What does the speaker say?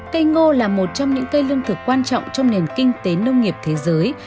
cây ngô là một trong những cây lương thực quan trọng trong nền kinh tế nông nghiệp thế giới